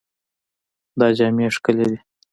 دا جامې ښکلې دي.